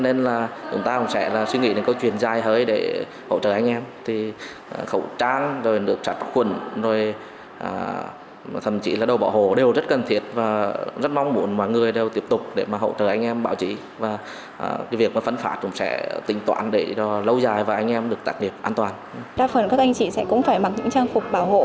đã phần các anh chị sẽ cũng phải mặc những trang phục bảo hộ